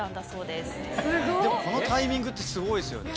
でもこのタイミングってすごいですよね。